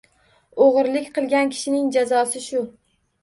O‘g‘irlik qilgan kishining jazosi shu!